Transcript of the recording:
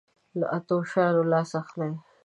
له اتو شیانو لاس واخله.